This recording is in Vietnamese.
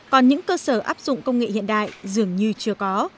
còn những cơ sở áp dụng công nghệ hiện đại dường như chưa có